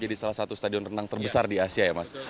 jadi salah satu stadion renang terbesar di asia ya mas